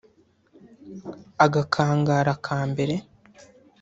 Agakangara ka mbere